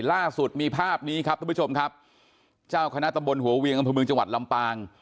ล่าสุดมีภาพนี้ครับทุกผู้ชมครับเจ้าคณะตำบลหัวเวียงอำเภอเมืองจังหวัดลำปาง